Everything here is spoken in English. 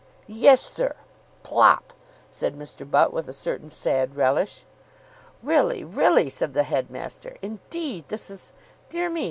"Yes, sir. Plop!" said Mr. Butt, with a certain sad relish. "Really, really!" said the headmaster. "Indeed! This is dear me!